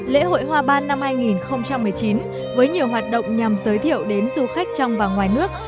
lễ hội hoa ban năm hai nghìn một mươi chín với nhiều hoạt động nhằm giới thiệu đến du khách trong và ngoài nước